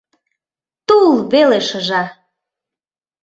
Тул веле шыжа!